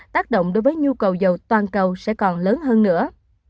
tác động đối với nhu cầu dầu toàn cầu sẽ còn lớn hơn nữa